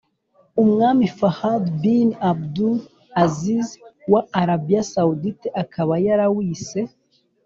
umwami fahd bin abdul aziz wa arabiya sawudite akaba yarawise